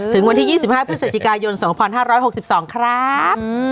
ถึงวันที่๒๕พฤศจิกายน๒๕๖๒ครับ